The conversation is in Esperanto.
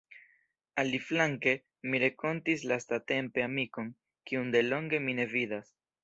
Aliflanke, mi renkontis lastatempe amikon, kiun delonge mi ne vidas.